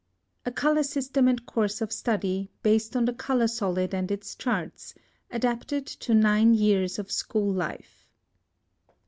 A COLOR SYSTEM AND COURSE OF STUDY BASED ON THE COLOR SOLID AND ITS CHARTS, ADAPTED TO NINE YEARS OF SCHOOL LIFE.